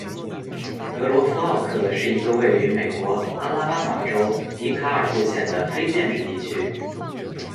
格罗夫奥克是一个位于美国阿拉巴马州迪卡尔布县的非建制地区。